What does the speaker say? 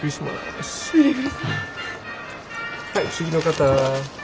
はい。